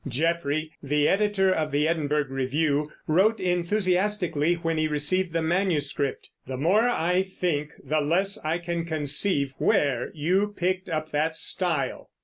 Jeffrey, the editor of the Edinburgh Review, wrote enthusiastically when he received the manuscript, "The more I think, the less I can conceive where you picked up that style."